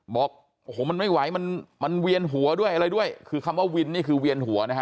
บอกโอ้โหมันไม่ไหวมันมันเวียนหัวด้วยอะไรด้วยคือคำว่าวินนี่คือเวียนหัวนะฮะ